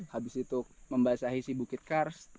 habis itu membasahi si bukit kars